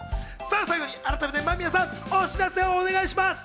最後に改めて間宮さん、お知らせお願いします。